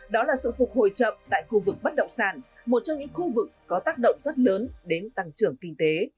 đó là sự phục hồi chậm tại khu vực bất động sản một trong những khu vực có tác động rất lớn đến tăng trưởng kinh tế